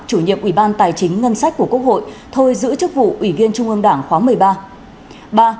chủ nhiệm ủy ban tài chính ngân sách của quốc hội thôi giữ chức vụ ủy viên trung ương đảng khóa một mươi ba